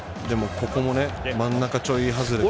ここも真ん中ちょい外れで。